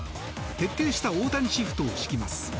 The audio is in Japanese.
徹底した大谷シフトを敷きます。